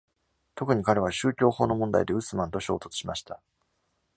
特に、彼は宗教法の問題でウスマンと衝突しました。